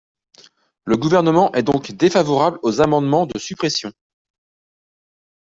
Le Gouvernement est donc défavorable aux amendements de suppression.